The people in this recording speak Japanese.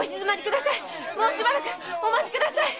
もうしばらくお待ちください。